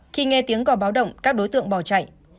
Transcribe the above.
khi nghe tiếng cò báo động các đối tượng bỏ chạy